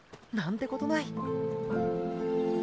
何てことない。